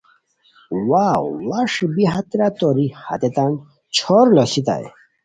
واؤ ڑݰ بی ہتیرا توری ہتیتان چھور لوسیتائے